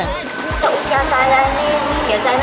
kalau usia saya ini biasanya aku malas ikut senang